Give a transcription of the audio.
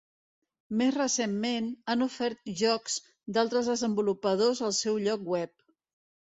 Més recentment, han ofert jocs d'altres desenvolupadors al seu lloc web.